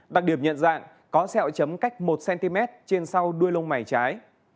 đặc điểm nhận dạng có xeo chấm cách một cm trên sau đuôi lông mày trái